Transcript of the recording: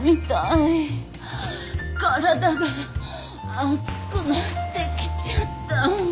体が熱くなってきちゃった。